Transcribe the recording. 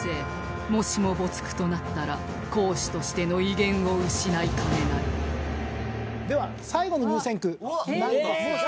もしも没句となったら講師としての威厳を失いかねないでは最後の入選句なんですが。